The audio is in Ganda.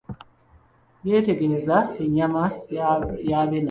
Yetegereza ennyama ya Abena.